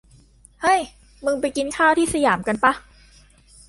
เฮ้ย มึง ไปกินข้าวที่สยามกันปะ